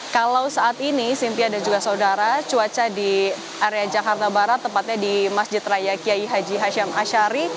kalau saat ini sintia dan juga saudara cuaca di area jakarta barat tepatnya di masjid raya kiai haji hashim ashari